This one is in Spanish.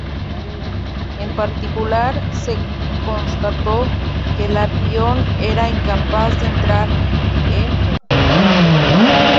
En particular, se constató que el avión era incapaz de entrar en barrena.